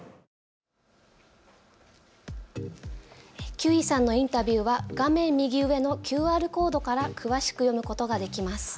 休井さんのインタビューは画面右上のＱＲコードから詳しく読むことができます。